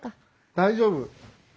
大丈夫。